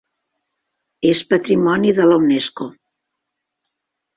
És patrimoni de la Unesco.